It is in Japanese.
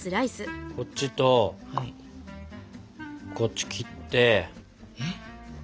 こっちとこっち切って。